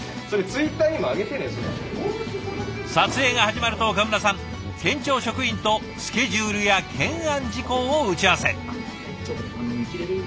撮影が始まると岡村さん県庁職員とスケジュールや懸案事項を打ち合わせ。